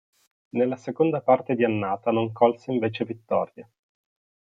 Nella seconda parte di annata non colse invece vittorie.